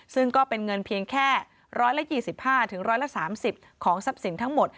ซึ่งก็เป็นเงินเพียงแค่๑๒๕๑๓๐ของทรัพย์สินทั้งหมด